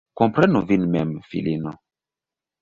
Komprenu vin mem, filino.